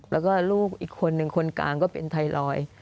แล้วก็ลูกอีกคนนึงคนกลางก็เป็นไทรอยด์